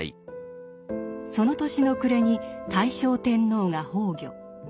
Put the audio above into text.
その年の暮れに大正天皇が崩御。